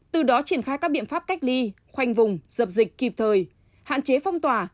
từ đó triển khai các biện pháp cách ly khoanh vùng dập dịch kịp thời hạn chế phong tỏa